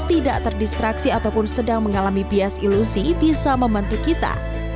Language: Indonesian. tidak terdistraksi ataupun sedang mengalami bias ilusi bisa membantu kita